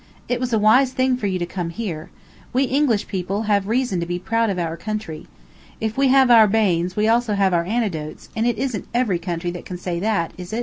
It was a wise thing for you to come here. We English people have reason to be proud of our country. If we have our banes, we also have our antidotes; and it isn't every country that can say that, is it?"